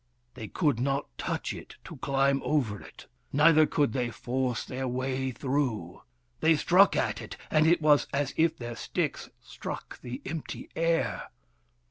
They could not touch it to climb over it, neither could they force their way through. They struck at it, and it was as if their sticks struck the empty air.